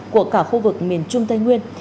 của cả khu vực miền trung tây nguyên